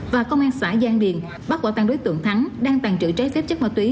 và công an xã giang điền bắt quả tăng đối tượng thắng đang tàn trữ trái phép chất ma túy